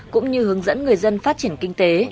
cũng như hướng dẫn người dân phát triển kinh tế